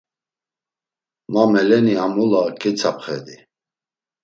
Ma meleni a mula ketzapxedi.